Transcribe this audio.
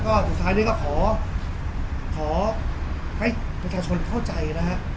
ก็สุดท้ายนี้ก็ขอให้ประชาชนเข้าใจนะฮะ